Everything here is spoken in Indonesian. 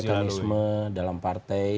ada mekanisme dalam partai